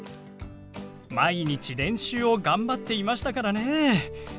毎日練習を頑張っていましたからね。